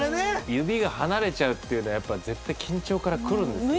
指が離れちゃうっていうのはやっぱ絶対緊張からくるんですよ。